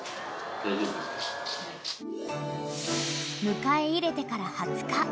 ［迎え入れてから二十日］